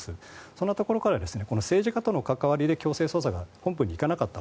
そういうところから政治家との関わりから強制捜査が本部に行かなかった。